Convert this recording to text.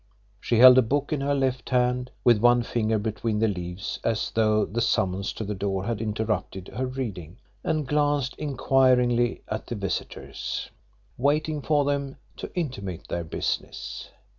She held a book in her left hand, with one finger between the leaves, as though the summons to the door had interrupted her reading, and glanced inquiringly at the visitors, waiting for them to intimate their business.